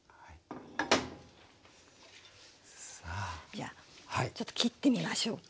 じゃあちょっと切ってみましょうか。